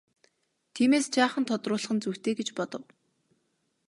Тиймээс жаахан тодруулах нь зүйтэй гэж бодов.